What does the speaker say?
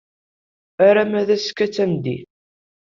Arma d azekka tameddit.